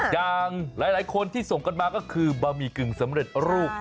อย่างหลายคนที่ส่งกันมาก็คือบะหมี่กึ่งสำเร็จรูป